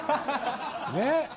ねっ？